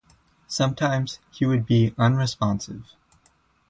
Sometimes, he would be unresponsive.